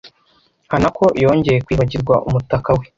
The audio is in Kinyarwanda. Hanako yongeye kwibagirwa umutaka we.